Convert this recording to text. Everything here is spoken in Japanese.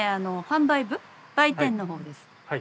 販売部売店のほうです。